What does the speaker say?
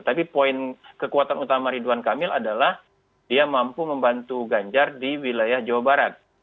tapi poin kekuatan utama ridwan kamil adalah dia mampu membantu ganjar di wilayah jawa barat